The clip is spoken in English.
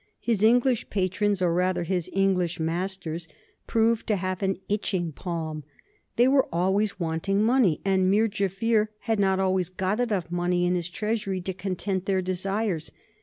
His English patrons, or rather his English masters, proved to have an itching palm. They were always wanting money, and Mir Jaffier had not always got enough money in his treasury to content their desires.